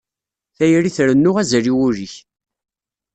Tayri trennu azal i wul-ik.